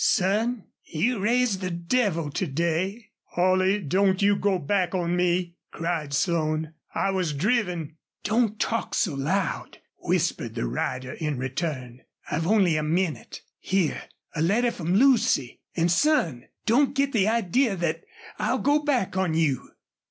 "Son, you raised the devil to day." "Holley, don't you go back on me!" cried Slone. "I was driven!" "Don't talk so loud," whispered the rider in return. "I've only a minnit. ... Here a letter from Lucy.... An', son, don't git the idee thet I'll go back on you."